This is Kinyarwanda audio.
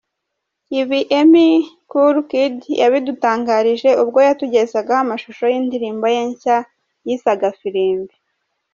Ibi, Emmy Kul Kid yabidutangarije ubwo yatugezagaho amashusho y’indirimbo ye nshya yise Agafirimbi.